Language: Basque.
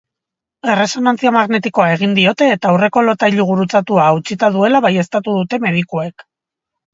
Erresonantzia magnetikoa egin diote eta aurreko lotailu gurutzatua hautsita duela baieztatu dute medikuek.